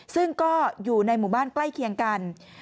ซึ่งก็อยู่ในหมู่บ้านใกล้เคียงกัน